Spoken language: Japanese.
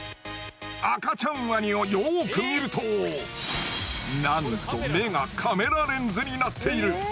赤ちゃんワニをよく見るとなんと目がカメラレンズになっている！